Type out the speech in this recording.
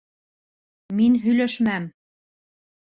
Мин һөйләшмәм.